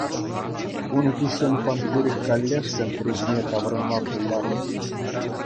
Кун хыҫҫӑн фанфурик каллех сентре ҫине таврӑнма пултарнӑ.